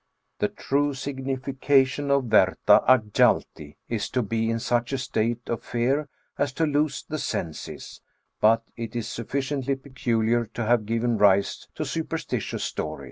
The true significa tion of ver^a at gjalti is to be in such a state of fear as to lose the senses ; but it is sufficiently peculiar to have given rise to superstitious stories.